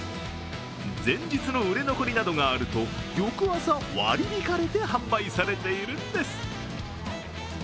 前日の売れ残りなどがあると翌朝、割り引かれて販売されているんです。